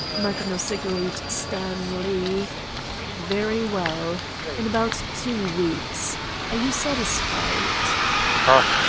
Magnus agreed sternly: "Very well. In about two weeks. Are you satisfied?"